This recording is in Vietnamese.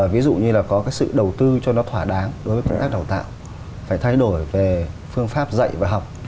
ví dụ như là có cái sự đầu tư cho nó thỏa đáng đối với công tác đào tạo phải thay đổi về phương pháp dạy và học